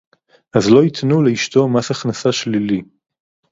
אז לא ייתנו לאשתו מס הכנסה שלילי